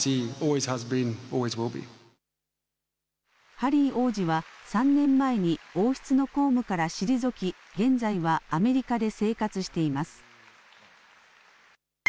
ハリー王子は３年前に王室の公務から退き現在はアメリカで生活しています。